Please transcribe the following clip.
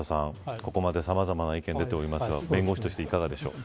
ここまでさまざまな意見が出ていますが弁護士としていかがでしょうか。